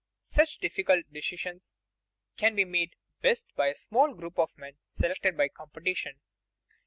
Such difficult decisions can be made best by a small group of men selected by competition.